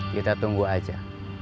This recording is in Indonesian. kita tunggu aja